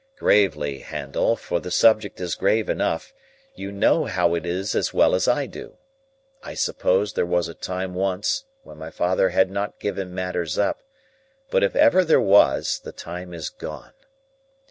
Gravely, Handel, for the subject is grave enough, you know how it is as well as I do. I suppose there was a time once when my father had not given matters up; but if ever there was, the time is gone.